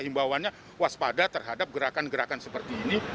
yang bawaannya waspada terhadap gerakan gerakan seperti ini